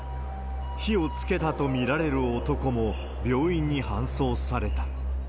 火をつけたとみられる男も病院に搬送された。